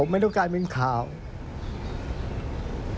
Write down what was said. มันไม่มีทางไหนที่จะหยุดเขาได้